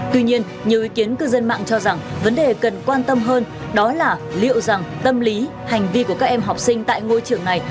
tuy nhiên nhiều ý kiến cư dân mạng cho rằng vấn đề cần quan tâm hơn đó là liệu rằng tâm lý hành vi của các em học sinh tại ngôi trường này